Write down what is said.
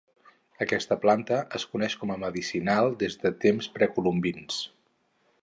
Aquesta planta es coneix com a medicinal des de temps precolombins.